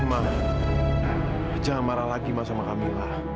ma jangan marah lagi ma sama kamila